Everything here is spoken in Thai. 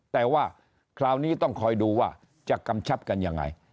แต่ว่าคราวนี้ต้องคอยดูว่าจะกำชับกันยังไง